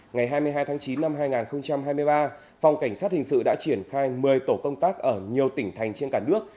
ngày hai mươi hai tháng chín năm hai nghìn hai mươi ba phòng cảnh sát hình sự đã triển khai một mươi tổ công tác ở nhiều tỉnh thành trên cả nước